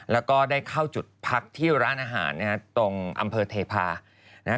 แล้วก็ได้เข้าจุดพักที่ร้านอาหารนะฮะตรงอำเภอเทพานะฮะ